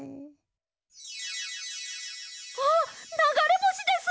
あっながれぼしです！